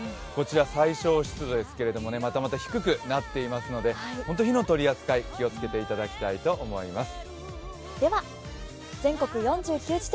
最小湿度ですけれども、またまた低くなっていますので本当に火の取り扱い、気を付けていただきたいと思います。